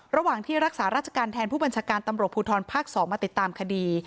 ระหว่างที่รักษาราชการแทนผู้บัญชาการตำรวจภูทรภาค๒มาติดตามคดี